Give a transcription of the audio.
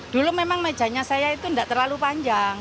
dulu memang mejanya saya itu tidak terlalu panjang